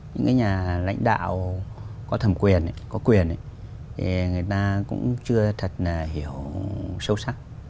những cái nhà lãnh đạo có thẩm quyền có quyền thì người ta cũng chưa thật là hiểu sâu sắc